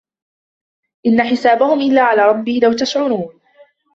إِن حِسابُهُم إِلّا عَلى رَبّي لَو تَشعُرونَ